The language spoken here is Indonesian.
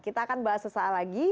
kita akan bahas sesaat lagi